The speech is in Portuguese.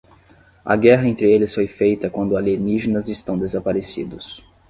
A guerra entre eles foi feita quando alienígenas estão desaparecidos.